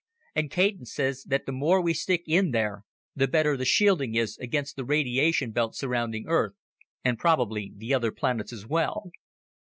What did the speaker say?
And Caton says that the more we stick in there, the better the shielding is against the radiation belt surrounding Earth and probably the other planets as well."